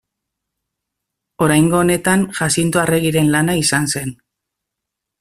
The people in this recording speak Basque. Oraingo honetan Jazinto Arregiren lana izan zen.